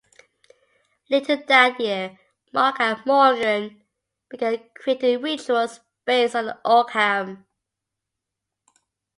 Later that year, Mark and Morgan began creating rituals based on the Ogham.